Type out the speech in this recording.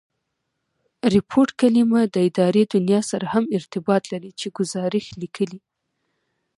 ریپوټ کلیمه د اداري دونیا سره هم ارتباط لري، چي ګوزارښ لیکي.